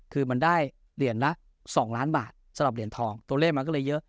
คือมันได้เหรียญละ๒ล้านบาทสำหรับเหรียญทองตัวเลขมันก็เลยเยอะ